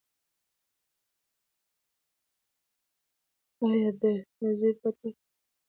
ایا دا د زوی پټکه وه که یوازې یو نصیحت و؟